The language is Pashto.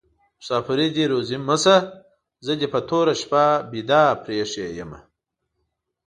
مسافري دي روزي مشه: زه دي په توره شپه ويده پریښي يمه